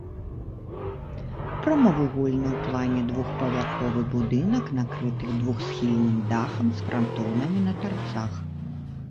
Прамавугольны ў плане двухпавярховы будынак накрыты двухсхільным дахам з франтонамі на тарцах.